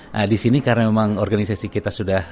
nah disini karena memang organisasi kita sudah